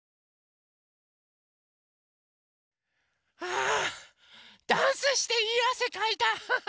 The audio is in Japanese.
あダンスしていいあせかいた。